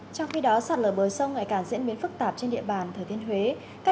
trong khi đó sạt lở bờ sông ngày càng diễn biến phức tạp trên địa bàn thời tiên huế các